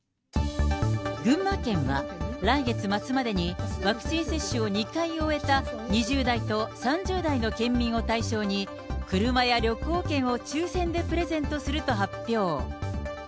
群馬県は来月末までに、ワクチン接種を２回終えた２０代と３０代の県民を対象に、車や旅行券を抽せんでプレゼントすると発表。